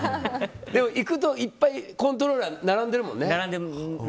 行くといっぱいコントローラー並んでるもんね。